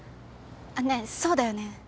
ねえそうだよね？